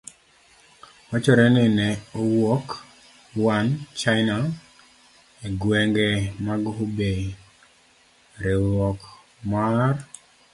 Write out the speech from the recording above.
Wachore ni ne owuok Wuhan, China, e gwenge mag Hubei: Riwruok mar